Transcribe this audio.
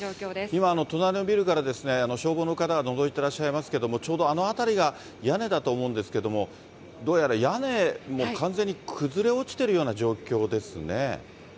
今、隣のビルから、消防の方がのぞいていらっしゃいますけれども、ちょうどあの辺りが屋根だと思うんですけれども、どうやら屋根も完全に崩れ落ちているような状況ですね。